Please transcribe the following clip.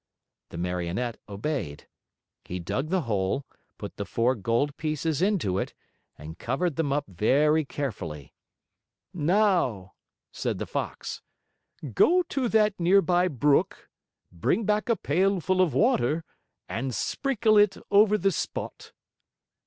The Marionette obeyed. He dug the hole, put the four gold pieces into it, and covered them up very carefully. "Now," said the Fox, "go to that near by brook, bring back a pail full of water, and sprinkle it over the spot."